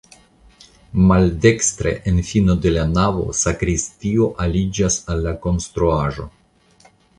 Maldekstre en fino de la navo sakristio aliĝas al la konstruaĵo.